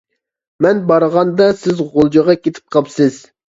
مەن بارغاندا سىز غۇلجىغا كېتىپ قاپسىز.